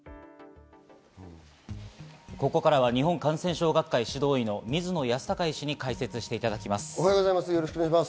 ここからは日本感染症学会指導医の水野泰孝医師に解説していただきます。